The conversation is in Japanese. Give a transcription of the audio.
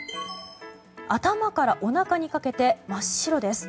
頭からおなかにかけて真っ白です。